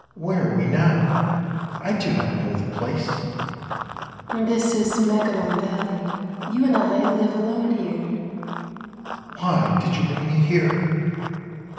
" Where are we now? I do not know the place." " This is Megalon Valley. You and I live alone here." " Why did you bring me here